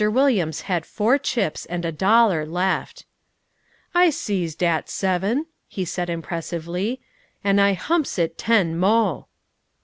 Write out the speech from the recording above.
Williams had four chips and a dollar left. "I sees dat seven," he said impressively, "an' I humps it ten mo'."